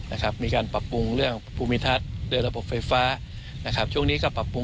ณปรับปรับปรุงในโลกประมูลภูมิทัศน์